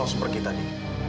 kamu harus pergi tadi